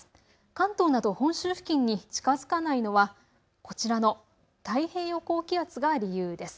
関東など本州付近に近づかないのはこちらの太平洋高気圧が理由です。